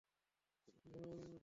তুমি কীভাবে অবদান রেখেছ?